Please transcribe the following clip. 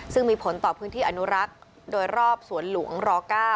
ซึ่งมีผลต่อพื้นที่อนุรักษ์โดยรอบสวนหลวงร๙